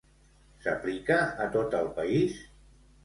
S'aplica a tot el país?